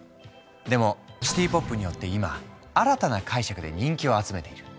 でもシティ・ポップによって今新たな解釈で人気を集めている。